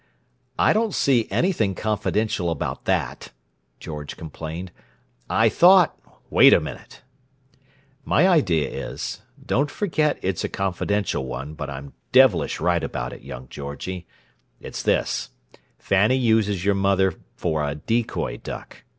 "I don't see anything confidential about that," George complained. "I thought—" "Wait a minute! My idea is—don't forget it's a confidential one, but I'm devilish right about it, young Georgie!—it's this: Fanny uses your mother for a decoy duck.